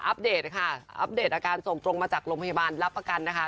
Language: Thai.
เดตค่ะอัปเดตอาการส่งตรงมาจากโรงพยาบาลรับประกันนะคะ